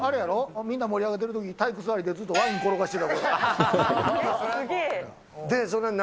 みんな盛り上がってるときに、体育座りでずっとワイン転がしてた。